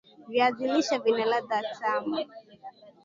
viazi lishe vina ladha tamu